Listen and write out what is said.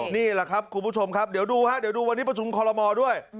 นี่แหละครับคุณผู้ชมครับเดี๋ยวดูวันนี้ประชุมคอลโลมอด้วย